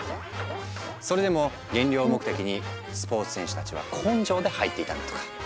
それでも減量目的にスポーツ選手たちは根性で入っていたんだとか。